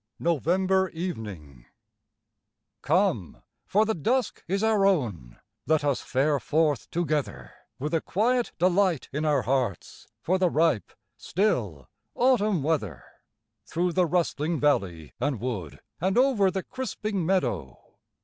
75 NOVEMBER EVENING Come, for the dusk is our own; let us fare forth to gether, With a quiet delight in our hearts for the ripe, still, autumn weather, Through the rustling valley and wood and over the crisping meadow.